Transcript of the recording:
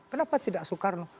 kenapa tidak soekarno